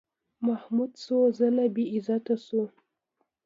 محمود څو ځله بېعزتي شو.